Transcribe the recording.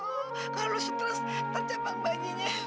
kalau lu stres nanti cabang bajinya